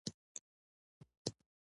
د بکس خوله یې خلاصه کړه !